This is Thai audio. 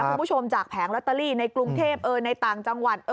คุณผู้ชมจากแผงลอตเตอรี่ในกรุงเทพในต่างจังหวัด